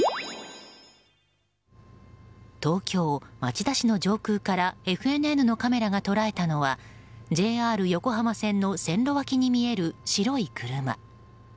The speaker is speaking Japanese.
東京・町田市の上空からＦＮＮのカメラが捉えたのはＪＲ横浜線の線路脇に見える白い車。